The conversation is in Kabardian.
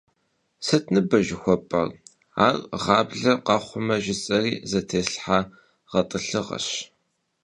Сыт ныбэ жыхуэпӏэр? Ар гъаблэ къэхъумэ жысӏэри зэтеслъхьа гъэтӏылъыгъэщ.